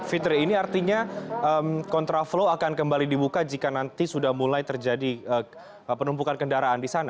fitri ini artinya kontraflow akan kembali dibuka jika nanti sudah mulai terjadi penumpukan kendaraan di sana